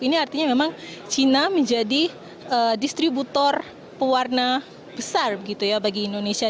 ini artinya memang china menjadi distributor pewarna besar begitu ya bagi indonesia